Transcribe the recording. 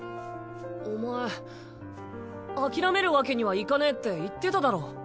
お前諦めるわけにはいかねぇって言ってただろ。